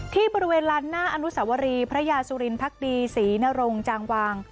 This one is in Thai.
ที่บริเวณลานหน้าอนุสวรีพระยาสุรินพักดีศรีนรงจางวาง